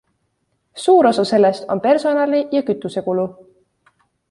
Suur osa sellest on personali- ja kütusekulu.